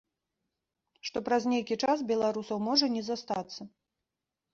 Што праз нейкі час беларусаў можа не застацца.